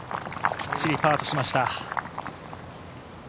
きっちりパーとしました。